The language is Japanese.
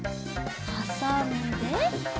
はさんで。